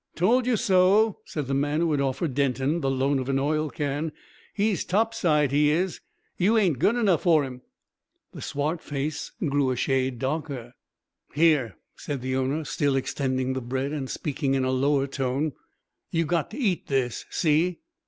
"Told you so," said the man who had offered Denton the loan of an oil can. "He's top side, he is. You ain't good enough for 'im." The swart face grew a shade darker. "Here," said its owner, still extending the bread, and speaking in a lower tone; "you got to eat this. See?"